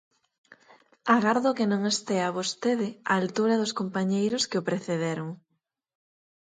Agardo que non estea vostede á altura dos compañeiros que o precederon.